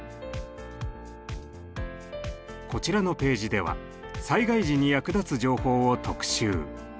こちらのページでは災害時に役立つ情報を特集。